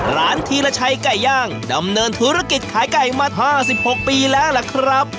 ธีรชัยไก่ย่างดำเนินธุรกิจขายไก่มา๕๖ปีแล้วล่ะครับ